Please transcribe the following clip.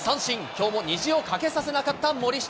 きょうも虹を架けさせなかった森下。